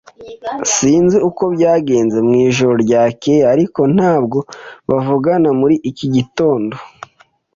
Sinzi uko byagenze mwijoro ryakeye, ariko ntabwo bavugana muri iki gitondo.